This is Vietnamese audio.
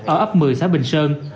ở ấp một mươi xã bình sơn